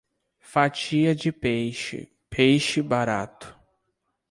Fatia de peixe, peixe barato.